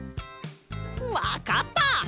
わかった！